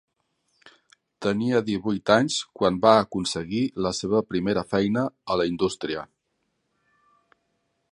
Tenia divuit anys quan va aconseguir la seva primera feina a la indústria.